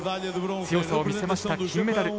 強さを見せました金メダル。